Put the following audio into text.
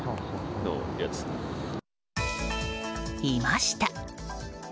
いました。